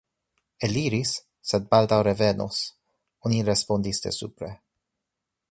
Eliris, sed baldaŭ revenos, oni respondis de supre.